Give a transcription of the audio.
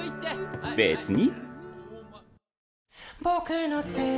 別に！